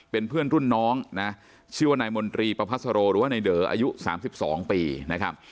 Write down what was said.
เป็นเพื่อนรุ่นน้องนะชื่อว่านายมนตรีประพัสโรหรือว่าในเดออายุ๓๒ปีนะครับ